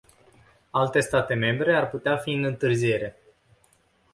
Alte state membre ar putea fi în întârziere.